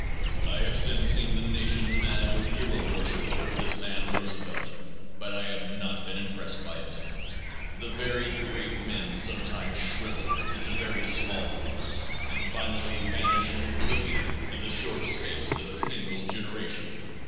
I have since seen the nation mad with hero worship over this man Roosevelt, but I have not been impressed by it. Very "great" men sometimes shrivel into very small ones and finally vanish in oblivion in the short space of a single generation.